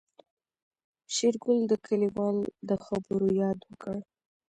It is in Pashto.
شېرګل د کليوال د خبرو ياد وکړ.